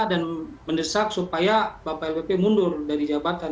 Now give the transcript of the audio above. dan mendesak supaya bapak lbp mundur dari jabatan